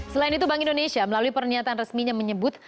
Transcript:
selain itu bank indonesia melalui pernyataan resminya menyebut